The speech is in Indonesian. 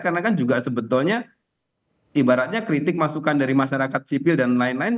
karena kan juga sebetulnya ibaratnya kritik masukan dari masyarakat sipil dan lain lain